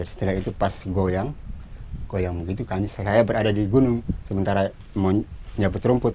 setelah itu pas goyang goyang begitu kan saya berada di gunung sementara menyaput rumput